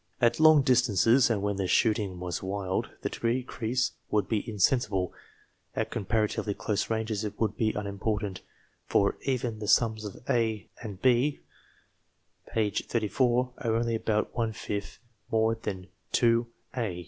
At long distances, and when the shooting was wild, the decrease would be insensible ; at comparatively close ranges it would be unimportant, for even the sums of A and B, p. 30, are only about one fifth more than 2 A.